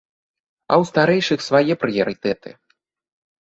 А ў старэйшых свае прыярытэты.